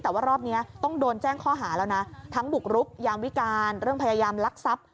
แต่ว่ารอบนี้ต้องโดนแจ้งข้อหาแล้วนะทั้งบุกรุกยามวิการเรื่องพยายามลักทรัพย์